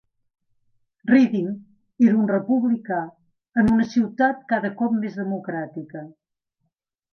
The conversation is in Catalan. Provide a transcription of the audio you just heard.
Reading era un republicà en una ciutat cada cop més democràtica.